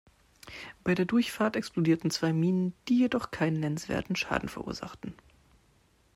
Bei der Durchfahrt explodierten zwei Minen, die jedoch keinen nennenswerten Schaden verursachten.